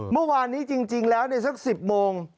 เมื่อวานนี้จริงแล้วสัก๑๐โมง